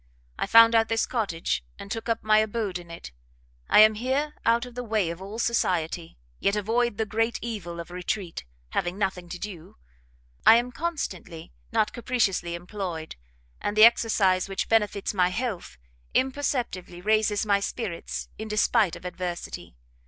I found out this cottage, and took up my abode in it. I am here out of the way of all society, yet avoid the great evil of retreat, having nothing to do. I am constantly, not capriciously employed, and the exercise which benefits my health, imperceptibly raises my spirits in despight of adversity.